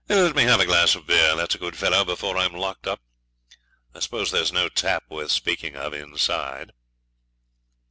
Let me have a glass of beer, that's a good fellow, before I'm locked up. I suppose there's no tap worth speaking of inside.'